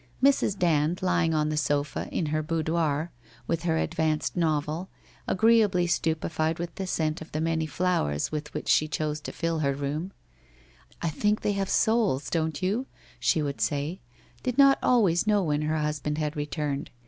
Mrs. Dand, lying on the sofa, in her boudoir, with her advanced novel, agreeably stupefied with the scent of the many flowers with which she chose to fill her room —' I think they have souls, don't you ?' she would say — did not always know when her husband had returned.